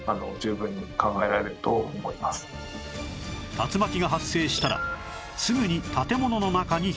竜巻が発生したらすぐに建物の中に避難